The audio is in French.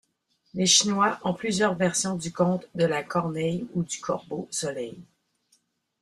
Les Chinois ont plusieurs versions du conte de la corneille ou du corbeau-soleil.